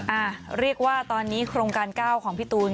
อ่าเรียกว่าตอนนี้โครงการเก้าของพี่ตูน